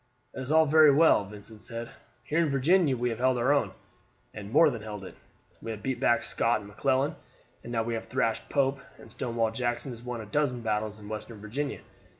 "That is all very well," Vincent said. "Here in Virginia we have held our own, and more than held it. We have beat back Scott and McClellan, and now we have thrashed Pope; and Stonewall Jackson has won a dozen battles in Western Virginia.